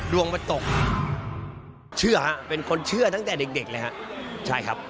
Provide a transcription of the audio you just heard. ดวงมันตกเชื่อฮะเป็นคนเชื่อตั้งแต่เด็กเลยฮะใช่ครับ